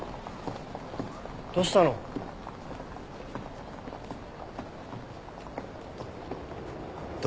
どうしたの。怒？